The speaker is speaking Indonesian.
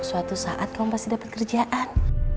suatu saat kamu pasti dapat kerjaan